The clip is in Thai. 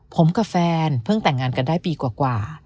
ผมกับแฟนเพิ่งแต่งงานกันได้ปีกว่า